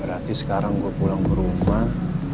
berarti sekarang gue pulang ke rumah